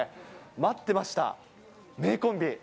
待ってました、名コンビ。